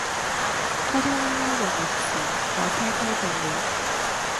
拖拖拉拉約六時火車開動了